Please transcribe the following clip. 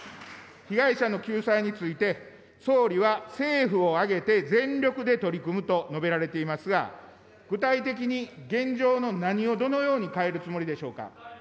被害者の救済について、総理は政府を挙げて全力で取り組むと述べられていますが、具体的に現状の何をどのように変えるつもりでしょうか。